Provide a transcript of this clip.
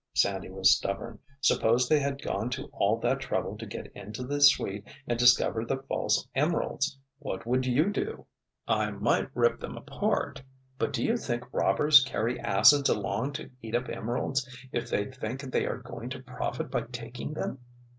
Sandy was stubborn. "Suppose they had gone to all that trouble to get into the suite and discovered the false emeralds? What would you do?" "I might rip them apart—but do you think robbers carry acids along to eat up emeralds if they think they are going to profit by taking them?"